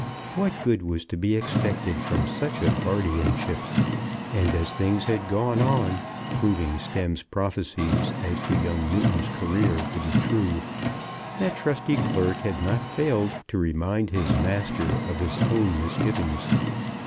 What good was to be expected from such a guardianship? And as things had gone on, proving Stemm's prophecies as to young Newton's career to be true, that trusty clerk had not failed to remind his master of his own misgivings.